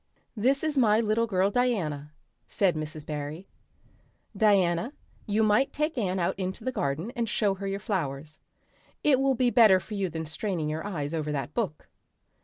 "This is my little girl Diana," said Mrs. Barry. "Diana, you might take Anne out into the garden and show her your flowers. It will be better for you than straining your eyes over that book.